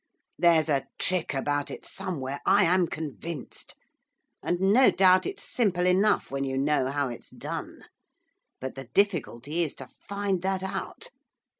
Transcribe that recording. There's a trick about it somewhere, I am convinced; and no doubt it's simple enough when you know how it's done, but the difficulty is to find that out.